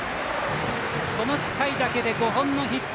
この回だけで５本のヒット。